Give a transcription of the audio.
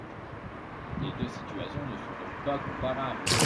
Les deux situations ne sont donc pas comparables.